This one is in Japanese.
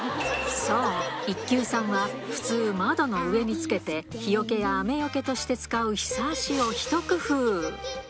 そう、一級さんは、普通、窓の上につけて、日よけや雨よけとして使うひさしを一工夫。